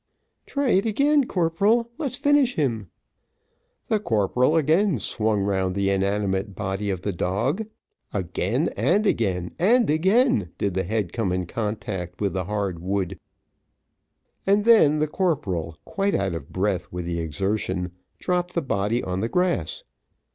"Try it again, corporal, let's finish him." The corporal again swung round the inanimate body of the dog; again, and again, and again, did the head come in contact with the hard wood; and then the corporal, quite out of breath with the exertion, dropped the body on the grass.